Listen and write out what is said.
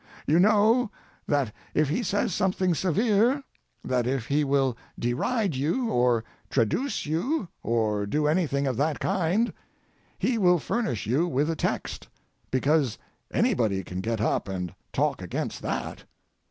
You know that if he says something severe, that if he will deride you, or traduce you, or do anything of that kind, he will furnish you with a text, because anybody can get up and talk against that.